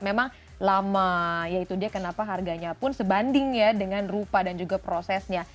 memang lama yaitu dia kenapa harganya pun sebanding ya dengan rupa dan juga prosesnya